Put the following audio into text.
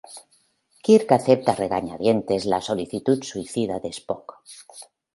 Kirk acepta a regañadientes la solicitud suicida de Spock.